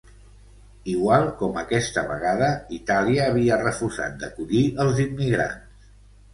Igual com aquesta vegada, Itàlia havia refusat d’acollir els immigrants.